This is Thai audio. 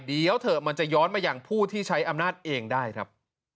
เดี๋ยวเถอะมันจะย้อนมาอย่างผู้ที่ใช้อำนาจเองได้ครับ